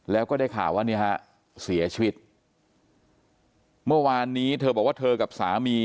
แล้วก็ได้ข่าวว่าเนี่ยฮะเสียชีวิตเมื่อวานนี้เธอบอกว่าเธอกับสามี